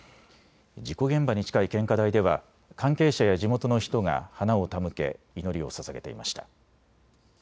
事故現場に近い献花台では関係者や地元の人が花を手向け祈りをささげていました。